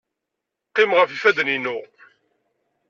Qqimeɣ ɣef yifadden-inu.